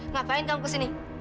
ngapain kamu kesini